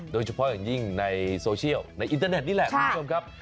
โดยเฉพาะอย่างยิ่งในโซเชียลในอินเตอร์เน็ตนี่แหละคุณผู้ชมครับ